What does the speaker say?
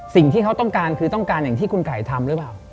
สิ่งที่เขาต้องการคือต้องการอย่างที่คุณไก่ทำหรือเปล่า